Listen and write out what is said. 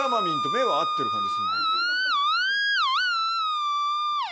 目は合ってる感じはする。